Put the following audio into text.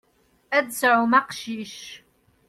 Ad d-tesɛum aqcic.